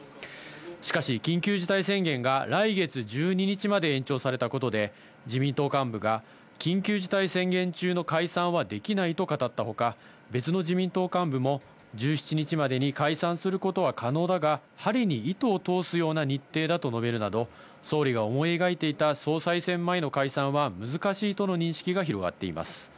しかし緊急事態宣言が来月１２日まで延長されたことで自民党幹部が緊急事態宣言中の解散はできないと語ったほか、別の自民党幹部も１７日までに解散することは可能だが、針に糸を通すような日程だと述べるなど総理が思い描いていた総裁選の前の解散は難しいとの認識が広がっています。